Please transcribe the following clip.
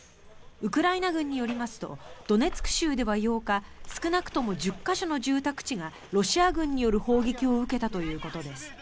ウクライナ軍によりますとドネツク州では８日少なくとも１０か所の住宅地がロシア軍による砲撃を受けたということです。